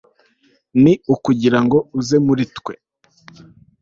ni ukugira ngo uze muri twe